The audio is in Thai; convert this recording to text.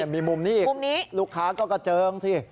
มีมุมนี้ลูกค้าก็เจิงสิ